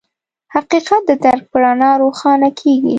حقیقت د درک په رڼا روښانه کېږي.